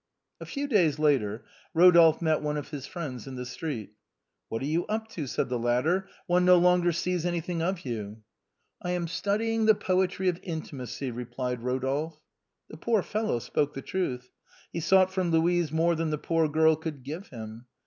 A few days later Eodolphe met one of his friends in the street. " What are you up to ?" said the latter. " One no longer sees anything of you." " I am studying the poetry of intimacy," replied Eo dolphe. The poor fellow spoke the truth. He sought from Louise more than the poor girl could give him.